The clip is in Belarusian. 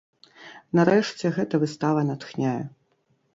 Нарэшце, гэта выстава натхняе.